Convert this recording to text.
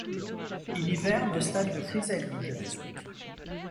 Il hiverne au stade de chrysalide.